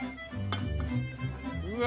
うわ！